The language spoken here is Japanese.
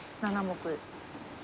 ７目。